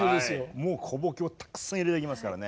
もう小ボケをたくさん入れてきますからね。